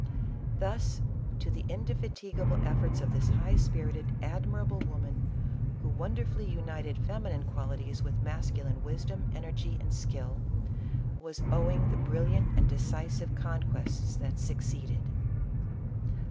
Thus to the indefatigable efforts of this high spirited, admi rable woman, who wonderfully united feminine quali ties with masculine wisdom, energy and skill, was 110 ISABELLA OF CASTILE. owing the brilliant and decisive conquests that suc ceeded.